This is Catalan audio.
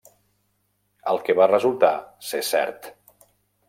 El que va resultar ser cert.